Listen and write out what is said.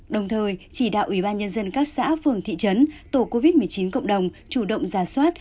đồng thời chỉ đạo ủy ban nhân dân các xã phường thị trấn tổ covid một mươi chín cộng đồng chủ động ra soát